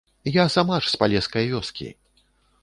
Я сама ж з палескай вёскі!